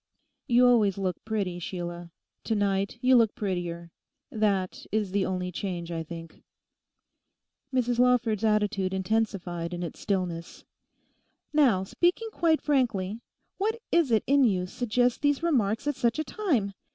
'You always look pretty, Sheila; to night you look prettier: that is the only change, I think.' Mrs Lawford's attitude intensified in its stillness. 'Now, speaking quite frankly, what is it in you suggests these remarks at such a time?